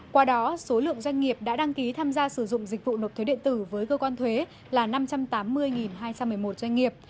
qua đó số lượng doanh nghiệp đã đăng ký tham gia sử dụng dịch vụ nộp thuế điện tử với cơ quan thuế là năm trăm tám mươi hai trăm một mươi một doanh nghiệp